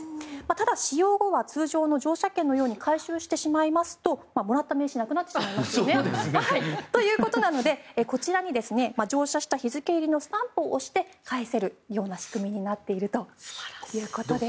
ただ、使用後は通常の乗車券のように回収してしまいますともらった名刺なくなっちゃいますよね。ということなのでこちらに乗車した日付入りのスタンプを押して返せるような仕組みになっているということです。